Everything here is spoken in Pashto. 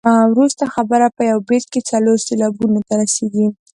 وروسته خبره په یو بیت کې څلور سېلابونو ته رسيږي.